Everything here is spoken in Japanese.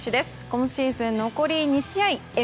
今シーズン残り２試合。